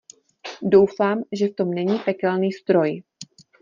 Doufám, že v tom není pekelný stroj.